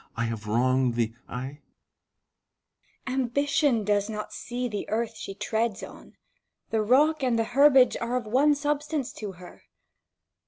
I have wronged thee ; ay 1 Vipsania. Ambition does not see the earth she treads on ; the rock and the herbage are of one substance to her.